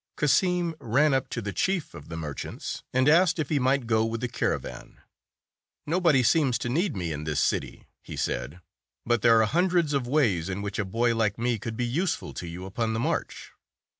Cassim ran up to the chief of the merchants, i 7 8 and asked if he might go with the caravan. "Nobody seems to need me in this city," he said, "but there are hundreds of ways in which a boy like me could be useful to you upon the march."